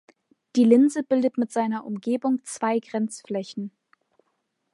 Die Linse bildet mit seiner Umgebung zwei Grenzflächen.